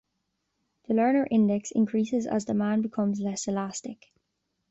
The Lerner index increases as demand becomes less elastic.